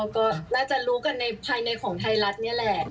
ก็น่าจะรู้กันในภายในของไทยรัฐนี่แหละ